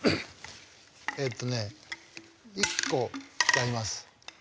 えっとね１個やります。